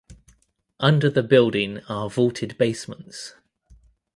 Under the building are vaulted basements.